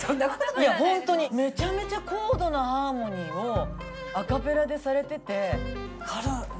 いや本当にめちゃめちゃ高度なハーモニーをアカペラでされてて。